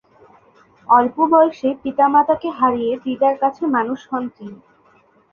অল্প বয়সে পিতামাতাকে হারিয়ে দিদার কাছে মানুষ হন তিনি।